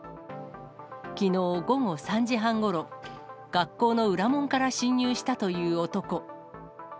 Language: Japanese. きのう午後３時半ごろ、学校の裏門から侵入したという男。